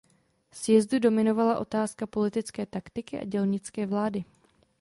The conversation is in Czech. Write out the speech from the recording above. Sjezdu dominovala otázka politické taktiky a dělnické vlády.